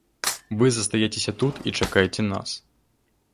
Вы застаецеся тут і чакаеце нас.